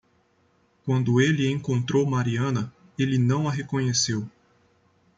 Quando ele encontrou Mariana ele não a reconheceu.